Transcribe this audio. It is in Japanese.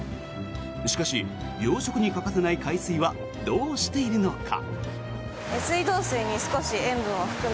しかし、養殖に欠かせない海水はどうしているのか。